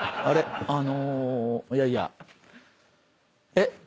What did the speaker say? えっ？